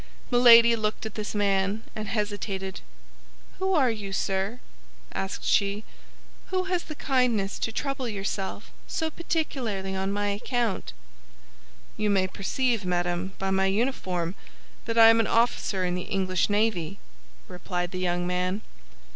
Milady looked at this man, and hesitated. "Who are you, sir," asked she, "who has the kindness to trouble yourself so particularly on my account?" "You may perceive, madame, by my uniform, that I am an officer in the English navy," replied the young man.